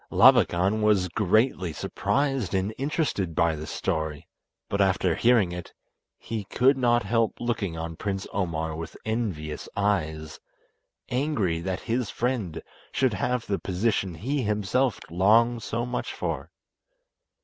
Labakan was greatly surprised and interested by this story, but after hearing it he could not help looking on Prince Omar with envious eyes, angry that his friend should have the position he himself longed so much for.